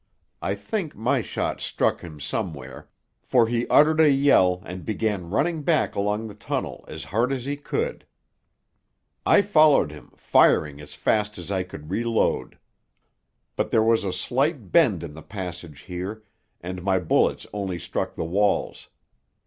I think my shot struck him somewhere, for he uttered a yell and began running back along the tunnel as hard as he could. I followed him, firing as fast as I could reload. But there was a slight bend in the passage here, and my bullets only struck the walls.